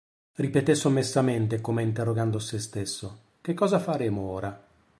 Ripetè sommessamente, come interrogando sé stesso, – Che cosa faremo ora?